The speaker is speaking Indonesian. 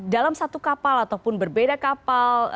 dalam satu kapal ataupun berbeda kapal